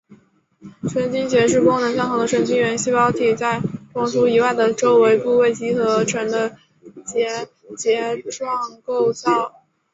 神经节是功能相同的神经元细胞体在中枢以外的周围部位集合而成的结节状构造。